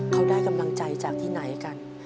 เขาได้กำลังใจจากที่ไหนกัน